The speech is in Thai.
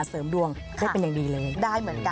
เรื่องของโชคลาบนะคะ